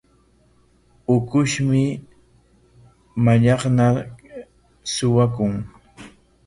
Ukushmi mallaqnar suwakun.